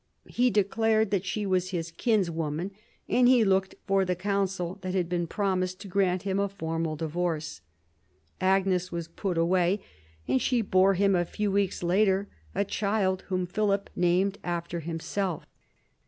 He declared that she was his kinswoman, and he looked for the council that had been promised to grant him a formal divorce. Agnes was put away, and she bore him, a few weeks later, a child whom Philip named after himself.